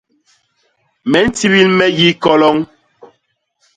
Me ntibil me yi koloñ.